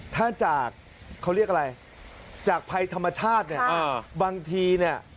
ถ้าจากเขาเรียกอะไรจากภัยธรรมชาติเนี่ยบางทีเนี่ย